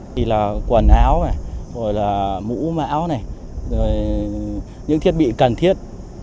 thì là quần áo mũ máu những thiết bị cần thiết